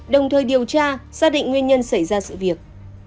đồng thời điều tra xác định nguyên nhân xảy ra sự việc